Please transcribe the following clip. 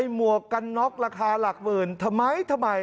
หมวกกันน็อคราคาหลักหมื่นทำไม